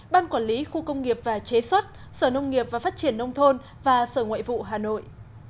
ban quản lý khu công nghiệp và chế xuất sở nông nghiệp và phát triển nông thôn và sở ngoại vụ hà nội